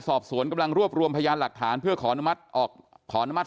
สอบสวนกำลังรวบรวมพยานหลักฐานเพื่อขออนุมัติออกขออนุมัติ